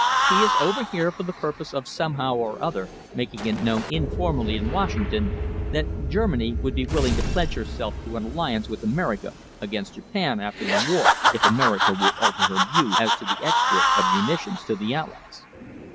"He is over here for the purpose of somehow or other making it known informally in Washington that Germany would be willing to pledge herself to an alliance with America against Japan, after the war, if America will alter her views as to the export of munitions to the Allies."